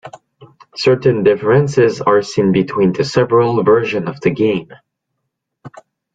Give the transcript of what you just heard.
Certain differences are seen between the several versions of the game.